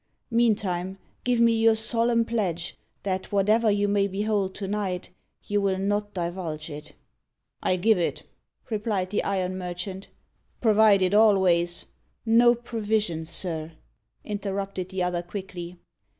Meantime, give me your solemn pledge, that whatever you may behold to night, you will not divulge it." "I give it," replied the iron merchant, "provided always " "No provision, sir," interrupted the other quickly.